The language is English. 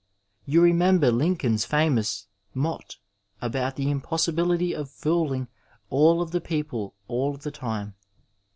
Tou remember Lincoln's famous mot about the impossibility of fooling all of the people all the time.